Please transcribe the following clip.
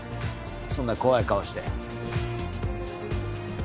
そんな怖い顔して。